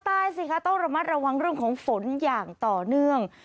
สิคะต้องระมัดระวังเรื่องของฝนอย่างต่อเนื่อง